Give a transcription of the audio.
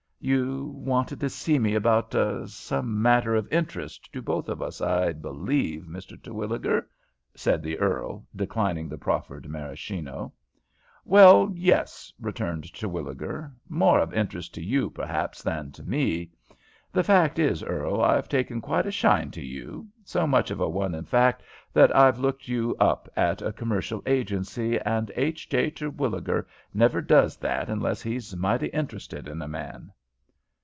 "You wanted to see me about some matter of interest to both of us, I believe, Mr. Terwilliger," said the earl, declining the proffered Maraschino. "Well, yes," returned Terwilliger. "More of interest to you, perhaps, than to me. The fact is, Earl, I've taken quite a shine to you, so much of a one in fact, that I've looked you up at a commercial agency, and H. J. Terwilliger never does that unless he's mightily interested in a man."